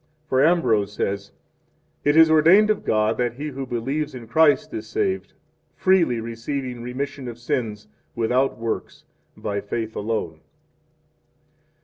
For Ambrose says: It is ordained of God that he who believes in Christ is saved, freely receiving remission of sins, without works, by faith alone.